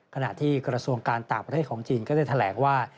ขณะที่กระทรวงการต่างประเทศของจีนก็ได้แถลงว่า